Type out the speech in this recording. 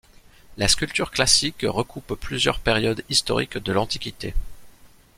La sculpture classique recoupe plusieurs périodes historiques de l'Antiquité.